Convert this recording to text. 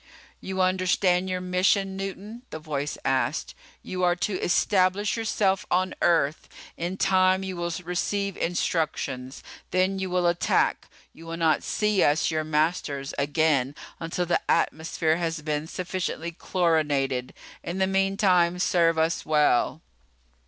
"You understand your mission, Newton?" the voice asked. "You are to establish yourself on Earth. In time you will receive instructions. Then you will attack. You will not see us, your masters, again until the atmosphere has been sufficiently chlorinated. In the meantime, serve us well."